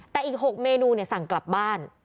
แต่อีก๖เมนูสั่งกลับบ้าน